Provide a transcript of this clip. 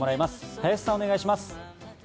林さんお願いします。